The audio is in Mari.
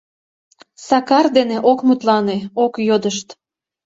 Сакар дене ок мутлане, ок йодышт.